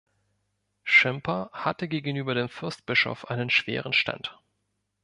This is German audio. Schimper hatte gegenüber dem Fürstbischof einen schweren Stand.